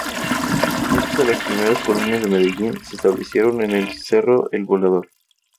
Muchas de las primeras colonias de Medellín se establecieron en el cerro El Volador.